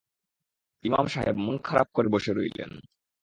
ইমাম সাহেব মন-খারাপ করে বসে রইলেন।